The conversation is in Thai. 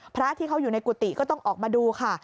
พระที่เขาอยู่ในกุฏิก็ต้องออกมาดูค่ะ